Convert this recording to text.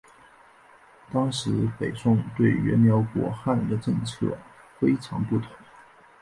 当时北宋对待原辽国汉人的政策非常不妥。